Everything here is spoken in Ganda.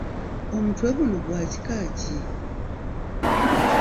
Omutwe guno gwa kika ki?